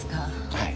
はい。